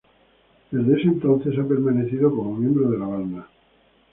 Desde ese entonces ha permanecido como miembro de la banda.